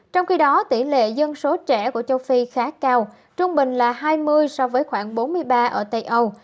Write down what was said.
trong khi đó tỷ lệ dân số trẻ của châu phi khá cao trung bình là hai mươi so với khoảng bốn mươi ba ở tây âu